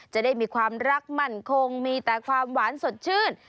จะได้มีความรักมั่นคงมีแต่ความหวานสดชื่น